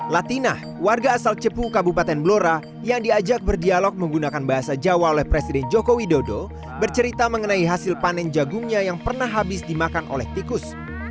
latina warga asal cepu kabupaten blora yang diajak berdialog menggunakan bahasa jawa oleh presiden joko widodo bercerita mengenai hasil panen jagungnya yang pernah habis dimakan oleh tikus